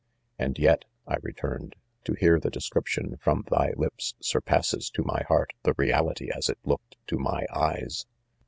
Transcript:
'" And yet," I returned, " to !}ear the description from thy lips, surpasses tofmy heart, the reality as it looked to ' my eyes.